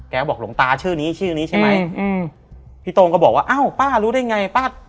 บอกหลวงตาชื่อนี้ชื่อนี้ใช่ไหมอืมพี่โตงก็บอกว่าอ้าวป้ารู้ได้ไงป้า